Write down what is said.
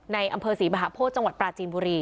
อำเภอศรีมหาโพธิจังหวัดปราจีนบุรี